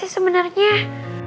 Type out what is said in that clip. ibu mau berubah